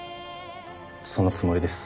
そのつもりです。